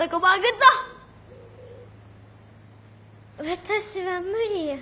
私は無理や。